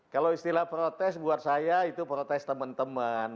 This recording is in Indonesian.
kalau istilah protes buat saya itu protes teman teman